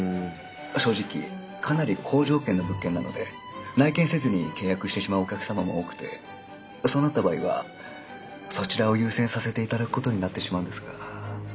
正直かなり好条件の物件なので内見せずに契約してしまうお客様も多くてそうなった場合はそちらを優先させていただくことになってしまうんですが。